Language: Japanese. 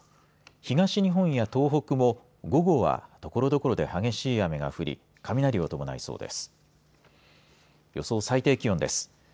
東日本や東北も午後はところどころで激しい雨が降り雷を伴いそうです。